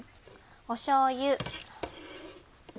しょうゆ。